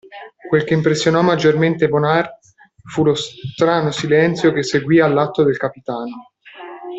Quel che impressionò maggiormente Bonard fu lo strano silenzio che seguì all'atto del capitano.